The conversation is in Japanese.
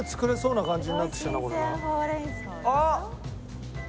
あっ！